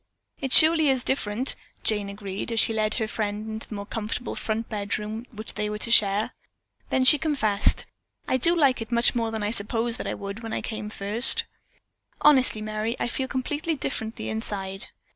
"It surely is different," Jane agreed as she led her friend into the comfortable front bedroom which they were to share. Then she confessed: "I do like it much more than I had supposed that I would when I first came. Honestly, Merry, I feel differently inside.